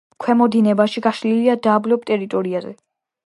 ქვემო დინებაში გაშლილია დაბლობ ტერიტორიაზე.